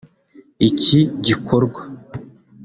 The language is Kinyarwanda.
Iki gikorwa